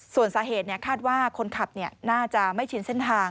ส่วนสาเหตุคาดว่าคนขับน่าจะไม่ชินเส้นทาง